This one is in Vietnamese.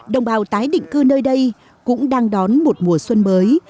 đồng bào tái định cư nơi đây cũng đang đón một mùa xuân mới